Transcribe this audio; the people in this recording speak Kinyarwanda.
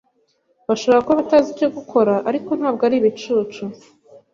Bashobora kuba batazi icyo gukora, ariko ntabwo ari ibicucu.